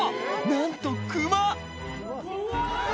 なんとクマ！